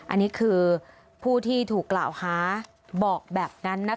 อันนี้คือผู้ที่ถูกกล่าวหาบอกแบบนั้นนะคะ